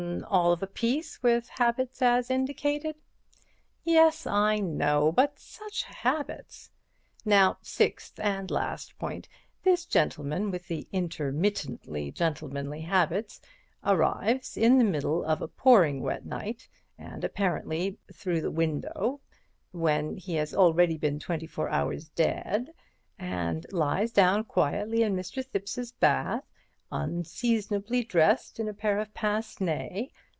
"All of a piece with habits as indicated." "Yes, I know, but such habits! Now, sixth and last point: This gentleman with the intermittently gentlemanly habits arrives in the middle of a pouring wet night, and apparently through the window, when he has already been twenty four hours dead, and lies down quietly in Mr. Thipps's bath, unseasonably dressed in a pair of pince nez.